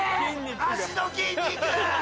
脚の筋肉！